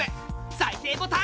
再生ボタン。